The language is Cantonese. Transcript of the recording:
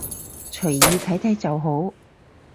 隨意睇睇就好